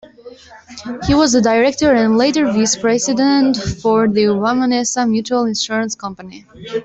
He was a director and later vice-president for the Wawanesa Mutual Insurance Company.